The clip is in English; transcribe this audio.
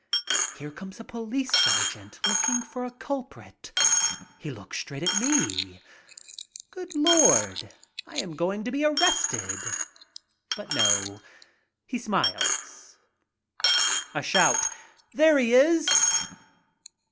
Here comes a police sergeant looking for a culprit. He looks straight at me. Good Lord! I am going to be arrested! But no, he smiles. I ARRIVE IN LONDON 47 A shout, "There he is!"